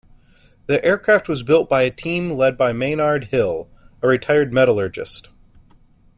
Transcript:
The aircraft was built by a team led by Maynard Hill, a retired metallurgist.